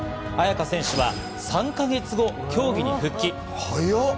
亜矢可選手は３か月後、競技に復帰。